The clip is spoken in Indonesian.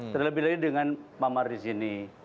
terlebih lagi dengan pak merlis ini